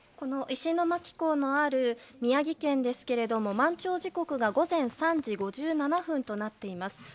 石巻港のある宮城県ですけども満潮時刻が午前３時５７分となっています。